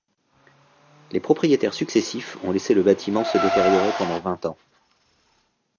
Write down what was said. Les propriétaires successifs ont laissé le bâtiment se détériorer pendant vingt ans.